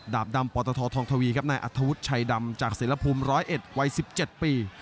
ดาบดำปอตทธทองทวีครับนายอัธวุษย์ชายดำจากศิลปุ๋ม๑๐๑วัย๑๗ปี